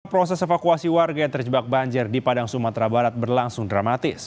proses evakuasi warga yang terjebak banjir di padang sumatera barat berlangsung dramatis